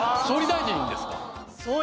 『総理大臣』ですか？